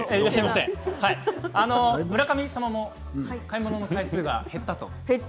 村上さんも買い物の回数が減ったと。